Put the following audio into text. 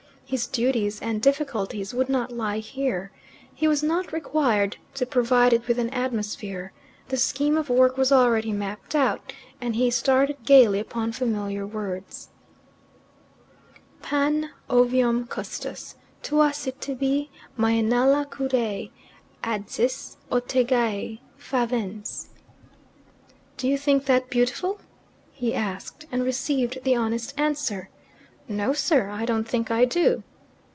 His duties and difficulties would not lie here. He was not required to provide it with an atmosphere. The scheme of work was already mapped out, and he started gaily upon familiar words "Pan, ovium custos, tua si tibi Maenala curae Adsis, O Tegaee, favens." "Do you think that beautiful?" he asked, and received the honest answer, "No, sir; I don't think I do."